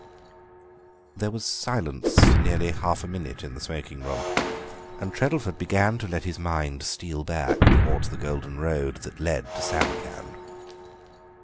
There was silence for nearly half a minute in the smoking room, and Treddleford began to let his mind steal back towards the golden road that led to Samarkand.